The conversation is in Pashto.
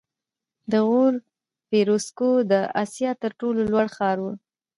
د غور فیروزکوه د اسیا تر ټولو لوړ ښار و